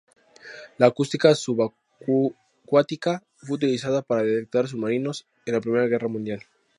La acústica subacuática fue utilizada para detectar submarinos en la Primera Guerra Mundial.